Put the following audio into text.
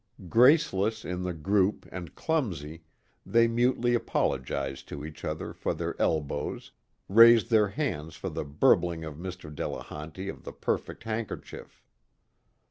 Graceless in the group and clumsy, they mutely apologized to each other for their elbows, raised their hands for the burbling of Mr. Delehanty of the perfect handkerchief.